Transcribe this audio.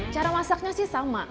cara masaknya sih sama